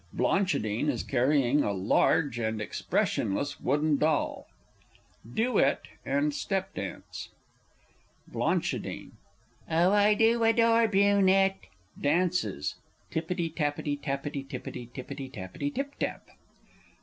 _ BLANCHIDINE is carrying a large and expressionless wooden doll. Duet and Step dance. Bl. Oh, I do adore BRUNETTE! (Dances.) Tippity tappity, tappity tippity, tippity tappity, tip tap!